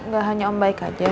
gak hanya om baik aja